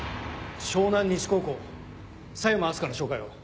湘南西高校佐山明日香の照会を。